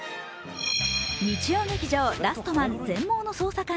日曜劇場「ラストマン―全盲の捜査官―」